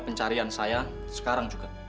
pencarian saya sekarang juga